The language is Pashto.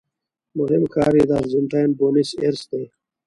مهم ښار یې د ارجنټاین بونس ایرس دی.